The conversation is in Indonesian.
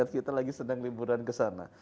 kita lagi senang liburan ke sana